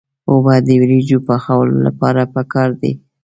اوبه د وریجو پخولو لپاره پکار دي.